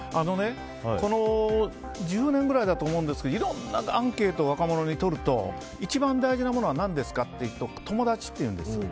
この１０年くらいだと思うんですけどいろんなアンケート若者に取ると一番大事なものは何ですかって聞くと友達っていうんです。